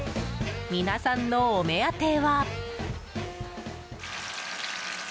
皆さんのお目当ては。